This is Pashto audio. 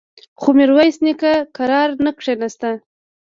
خو ميرويس نيکه کرار نه کېناسته.